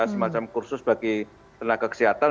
semacam kursus bagi tenaga kesehatan